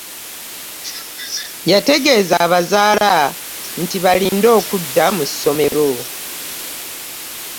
Yategeeza abaazaala nti balinde okudda mu ssomero.